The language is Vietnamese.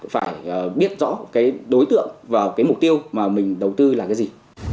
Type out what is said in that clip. phải biết rõ đối tượng và mục tiêu mà mình đầu tư là cái gì